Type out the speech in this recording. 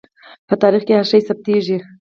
په تاریخ کې هر شی ثبتېږي.